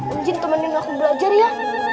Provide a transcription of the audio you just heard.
om jin temenin aku belajar ya